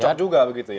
cocok juga begitu ya